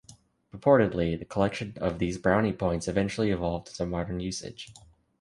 Purportedly, the collection of these "brownie points" eventually evolved into the modern usage.